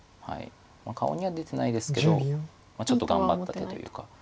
顔には出てないですけどちょっと頑張った手というか。